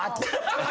ハハハ！